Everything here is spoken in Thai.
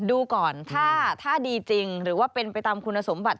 ดูก่อนถ้าดีจริงหรือว่าเป็นไปตามคุณสมบัติ